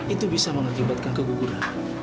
itu bisa mengakibatkan keguguran